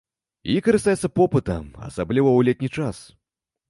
І карыстаецца попытам, асабліва ў летні час.